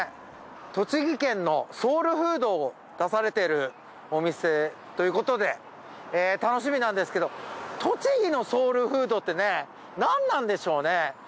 栃木県のソウルフードを出されてるお店ということで楽しみなんですけど栃木のソウルフードってね何なんでしょうね。